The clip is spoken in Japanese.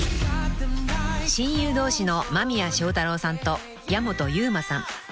［親友同士の間宮祥太朗さんと矢本悠馬さん］